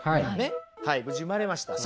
はい無事産まれました。